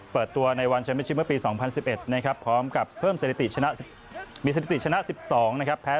เปิดตัวในวันเช้มเมอร์ชิปเมื่อปี๒๐๑๑พร้อมกับเพิ่มสถิติชนะ๑๒แพ้๔